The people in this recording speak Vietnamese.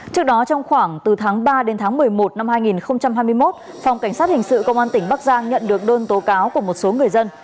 trước đó trong khoảng từ tháng ba đến tháng một mươi một năm hai nghìn hai mươi một phòng cảnh sát hình sự công an tỉnh bắc giang nhận được đơn tố cáo của một số người dân